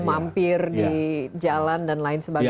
mampir di jalan dan lain sebagainya